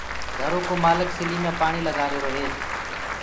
گھرو ڪو مآلڪ سليٚ مي پآڻيٚ لگآهيرو هي